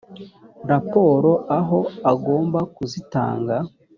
raporo aho agomba kuzitanga